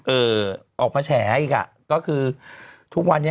เอ่อออกมาแฉอีกอ่ะก็คือทุกวันนี้